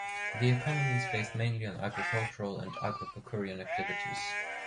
The economy is based mainly on agricultural and agropecuarian activities.